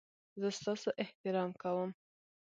زه ستاسو احترام کوم